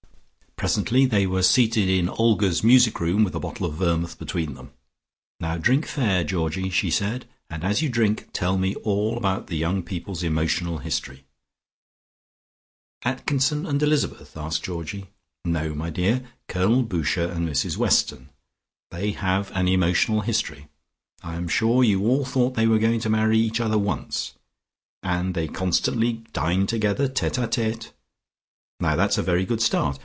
Presently they were seated in Olga's music room, with a bottle of vermouth between them. "Now drink fair, Georgie," she said, "and as you drink tell me all about the young people's emotional history." "Atkinson and Elizabeth?" asked Georgie. "No, my dear; Colonel Boucher and Mrs Weston. They have an emotional history. I am sure you all thought they were going to marry each other once. And they constantly dine together tete a tete. Now that's a very good start.